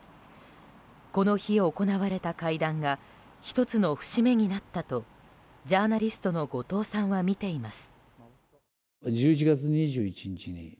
この日、行われた会談が１つの節目になったとジャーナリストの後藤さんは見ています。